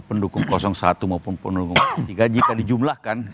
pendukung satu maupun pendukung tiga jika dijumlahkan